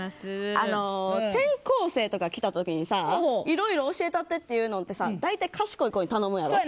転校生とか来た時にさいろいろ教えたってってさ大体、賢い子に頼むやろ。